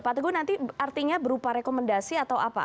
pak teguh nanti artinya berupa rekomendasi atau apa